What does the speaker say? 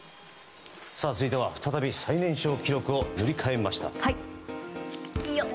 続いては、再び最年少記録を塗り替えました。